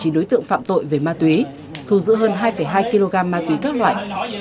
chín đối tượng phạm tội về ma túy thu giữ hơn hai hai kg ma túy các loại